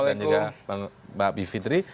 dan juga pak bivitri